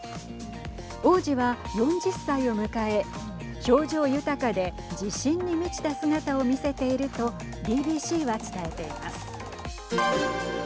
王子は、４０歳を迎え表情豊かで自信に満ちた姿を見せているとＢＢＣは伝えています。